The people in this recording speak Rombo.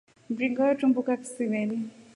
Mringa watumbuka kisimeni.